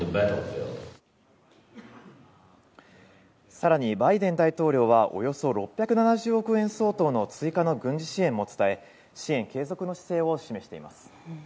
更にバイデン大統領はおよそ６７０億円相当の追加の軍事支援も伝え支援継続の姿勢を示しています。